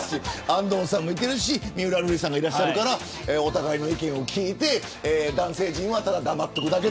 安藤さんもいてるし三浦瑠麗さんもいるからお互いの意見も聞いて男性陣はただ黙っておくだけ。